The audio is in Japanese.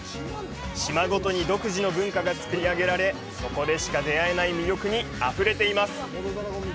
島ごとに独自の文化がつくり上げられそこでしか出会えない魅力にあふれています。